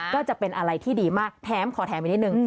ก็จะเป็นอะไรที่ดีมากแท้มขอแท้มหน่อยนิดหนึ่ง